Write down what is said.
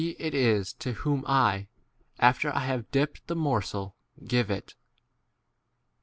it is to whom I,* after I have dip ped the morsel, give it.